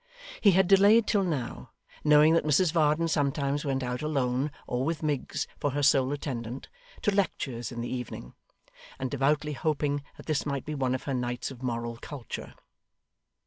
He had delayed till now, knowing that Mrs Varden sometimes went out alone, or with Miggs for her sole attendant, to lectures in the evening; and devoutly hoping that this might be one of her nights of moral culture.